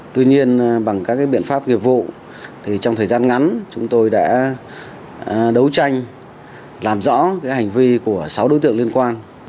tuy nhiên bằng các biện pháp nghiệp vụ trong thời gian ngắn chúng tôi đã đấu tranh làm rõ hành vi của sáu đối tượng liên quan